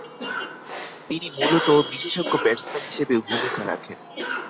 তিনি মূলতঃ বিশেষজ্ঞ ব্যাটসম্যান হিসেবে ভূমিকা রাখেন।